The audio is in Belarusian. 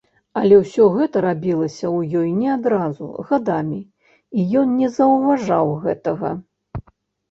Але ўсё гэта рабілася ў ёй не адразу, гадамі, і ён не заўважаў гэтага.